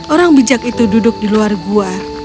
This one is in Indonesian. orang bijak itu duduk di luar gua